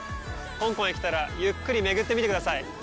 香港へ来たら、ゆっくりめぐってみてください。